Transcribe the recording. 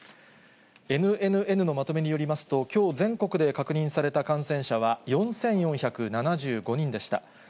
ＮＮＮのまとめによりますと、きょう、全国で確認された感染者は４４７５人でした。